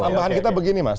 tambahan kita begini mas